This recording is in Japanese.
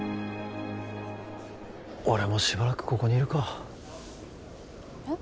俺もしばらくここにいるかえっ？